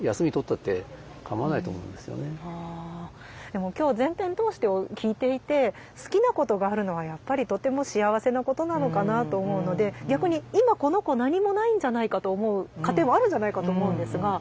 でも今日全編通して聞いていて好きなことがあるのはやっぱりとても幸せなことなのかなと思うので逆に今この子何もないんじゃないかと思う家庭もあるんじゃないかと思うんですが。